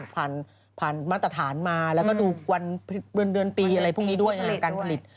ผ่านมาตรฐานมาแล้วก็ดูวันเดือนปีอะไรพวกนี้ด้วยอะไรการผลิต